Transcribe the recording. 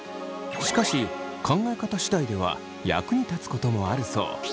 しかし考え方次第では役に立つこともあるそう。